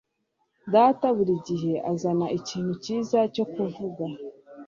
Data buri gihe azana ikintu cyiza cyo kuvuga.